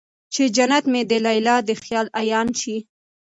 چې جنت مې د ليلا د خيال عيان شي